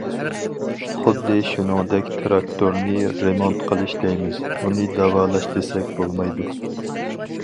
خۇددى شۇنىڭدەك تىراكتورنى‹‹ رېمونت›› قىلىش دەيمىز، ئۇنى‹‹ داۋالاش›› دېسەك بولمايدۇ.